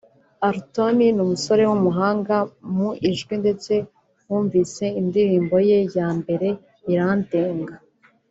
Alton ni umusore w'umuhanga mu ijwi ndetse wumvise indirimbo ye ya mbere 'Birandenga'